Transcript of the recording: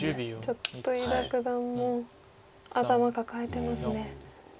ちょっと伊田九段も頭抱えてますね。